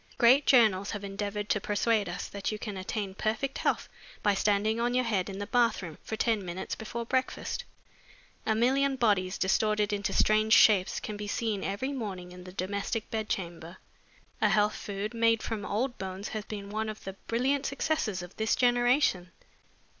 Great journals have endeavored to persuade us that you can attain perfect health by standing on your head in the bathroom for ten minutes before breakfast. A million bodies, distorted into strange shapes, can be seen every morning in the domestic bed chamber. A health food made from old bones has been one of the brilliant successes of this generation.